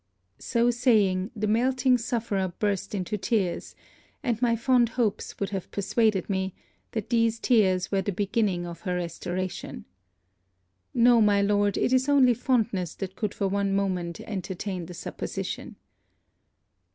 So saying, the melting sufferer burst into tears; and my fond hopes would have persuaded me, that these tears were the beginning of her restoration. No, my Lord, it is only fondness that could for one moment entertain the supposition.